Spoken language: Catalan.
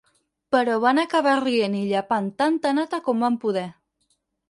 Però van acabar rient i llepant tanta nata com van poder.